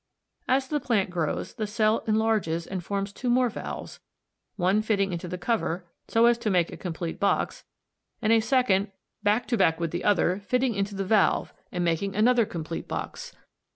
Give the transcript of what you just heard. As the plant grows, the cell enlarges and forms two more valves, one c fitting into the cover a, so as to make a complete box ac, and a second, d, back to back with c, fitting into the valve b, and making another complete box bd.